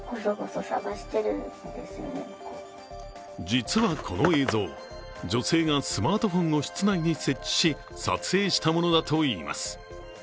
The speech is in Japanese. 実はこの映像、女性がスマートフォンを室内に設置し撮影したものだといいます。